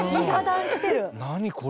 何これ。